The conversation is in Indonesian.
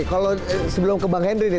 oke kalau sebelum ke bang henry nih